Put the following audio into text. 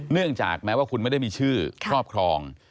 เนื่องจากแม้ว่าคุณไม่ได้มีชื่อครอบครอง